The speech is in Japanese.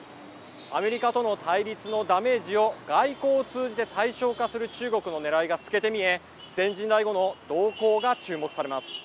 アメリカとの対立のダメージを外交を通じて最小化する中国のねらいが透けて見え全人代後の動向が注目されます。